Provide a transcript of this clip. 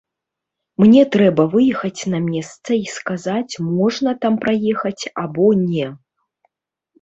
Мне трэба выехаць на месца і сказаць можна там праехаць або не.